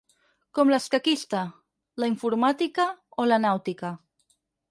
Com l'escaquista, la informàtica o la nàutica.